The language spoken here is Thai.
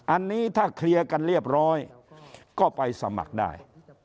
อันนี้ถ้าเคลียร์กันเรียบร้อยก็ไปสมัครได้